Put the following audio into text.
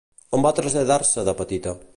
On va traslladar-se de petita?